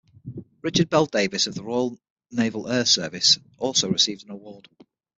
Richard Bell-Davies of the Royal Naval Air Service also received an award.